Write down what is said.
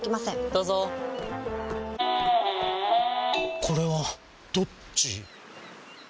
どうぞこれはどっち？